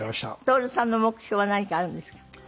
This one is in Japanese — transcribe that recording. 徹さんの目標は何かあるんですか？